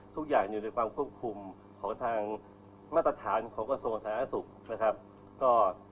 ทุกอย่างอยู่ในควบคุมของทางมาตรฐานของกระทรวงศาสตร์ศักดิ์ศุกร์